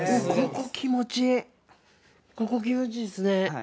ここ気持ちいいですね。